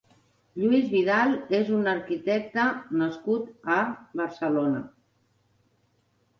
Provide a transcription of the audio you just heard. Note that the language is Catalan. Luis Vidal és un arquitecte nascut a Barcelona.